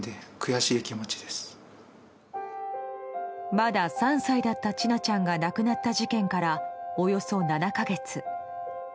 まだ３歳だった千奈ちゃんが亡くなった事件からおよそ７か月。